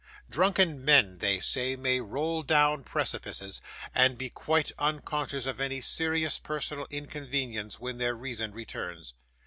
Drunken men, they say, may roll down precipices, and be quite unconscious of any serious personal inconvenience when their reason returns.